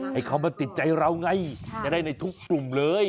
ให้เขามาติดใจเราไงจะได้ในทุกกลุ่มเลย